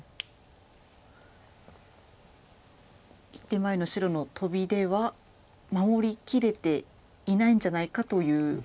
１手前の白のトビでは守りきれていないんじゃないかという。